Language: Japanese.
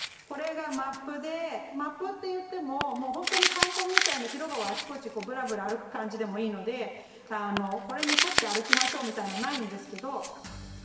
これがマップでマップって言ってももうほんとに散歩みたいに広場をあちこちぶらぶら歩く感じでもいいのでこれに沿って歩きましょうみたいなのないんですけど。